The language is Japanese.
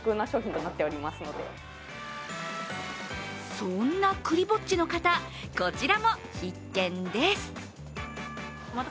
そんなクリぼっちの方、こちらも必見です。